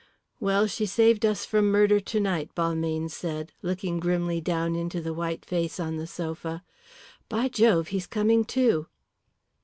"Well, she saved us from murder tonight," Balmayne said, looking grimly down into the white face on the sofa. "By Jove, he's coming to!"